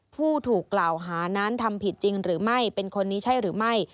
ผู้ถูกกล่าวหานั้นทำผิดจริงหรือไม่เป็นคนนี้ใช่หรือไม่